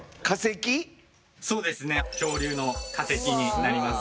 そうですね恐竜の化石になります。